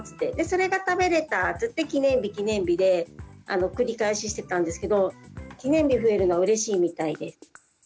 それが食べれたって記念日記念日で繰り返ししてたんですけど記念日増えるのうれしいみたいです。